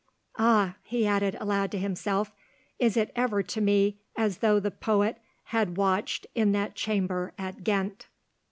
"Ah!" he added aloud to himself, "it is ever to me as though the poet had watched in that chamber at Ghent."